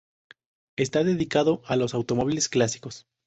Está dedicado a los automóviles clásicos.